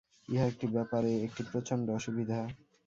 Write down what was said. ইহা এই ব্যাপারে একটি প্রচণ্ড অসুবিধা।